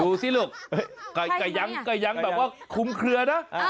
ดูสิลูกก็ยังแบบว่าคุ้มเคลือนะ